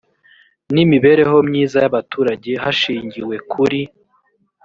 n imibereho myiza y abaturage hashingiwe kuri